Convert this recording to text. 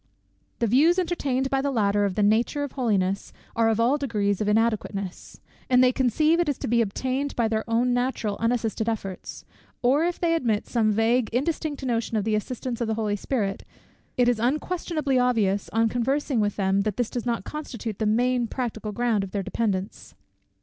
The views entertained by the latter, of the nature of holiness, are of all degrees of inadequateness; and they conceive it is to be obtained by their own natural unassisted efforts: or if they admit some vague indistinct notion of the assistance of the Holy Spirit, it is unquestionably obvious, on conversing with them, that this does not constitute the main practical ground of their dependence.